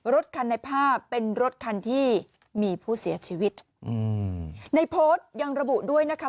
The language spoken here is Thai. รถคันในภาพเป็นรถคันที่มีผู้เสียชีวิตอืมในโพสต์ยังระบุด้วยนะคะ